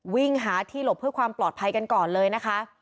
วิ่งหาที่หลบเพื่อความปลอดภัยกันก่อนเลยนะคะ